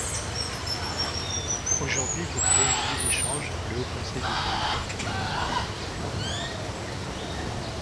Aujourd’hui, vous créez un lieu d’échanges, le Haut conseil des territoires.